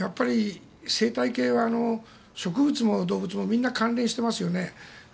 生態系は植物も動物もみんな関連してますよね。